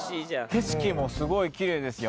景色もすごい奇麗ですよ。